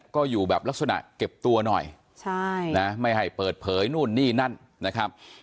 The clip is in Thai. ก็อยู่แบบลักษณะเก็บตัวหน่อยใช่นะไม่ให้เปิดเผยนู่นนี่นั่นนะครับ